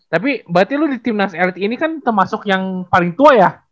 tapi berarti lu di timnas rt ini kan termasuk yang paling tua ya